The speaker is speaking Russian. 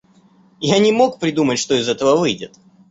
Я не мог придумать, что из того выйдет.